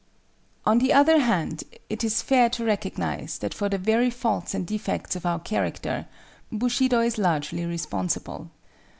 ] On the other hand, it is fair to recognize that for the very faults and defects of our character, Bushido is largely responsible.